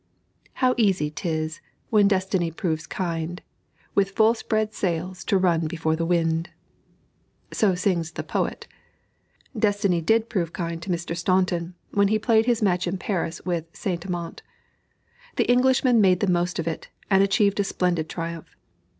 How easy 'tis, when destiny proves kind, With full spread sails to run before the wind. So sings the poet. Destiny did prove kind to Mr. Staunton when he played his match in Paris with St. Amant. The Englishman made the most of it, and achieved a splendid triumph.